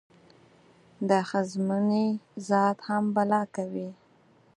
دا ښځمونی ذات هم بلا کوي.